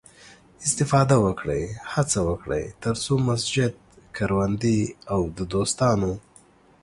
استفاده وکړئ، هڅه وکړئ، تر څو مسجد، کروندې او د دوستانو